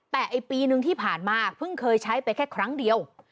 แต่ไอ้ปีนึงที่ผ่านมาเพิ่งเคยใช้ไปแค่ครั้งเดียว